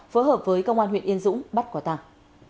phối hợp với công an huyện yên dũng bắt quả tàng